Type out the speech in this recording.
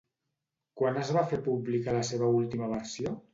Quan es va fer pública la seva última versió?